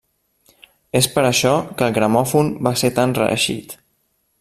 És per això que el gramòfon va ser tan reeixit.